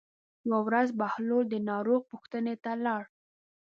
یوه ورځ بهلول د ناروغ پوښتنې ته لاړ.